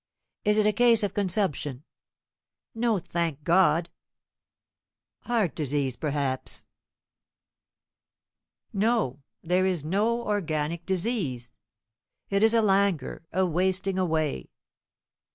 Is it a case of consumption?" "No, thank God!" "Heart disease, perhaps?" "No; there is no organic disease. It is a languor a wasting away."